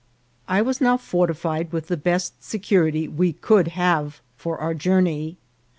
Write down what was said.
I was now fortified with the best security we could have for our journey.